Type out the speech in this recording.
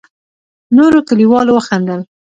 نورو کليوالو وخندل.